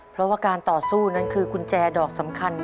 เพราะว่าการต่อสู้นั้นคือกุญแจดอกสำคัญ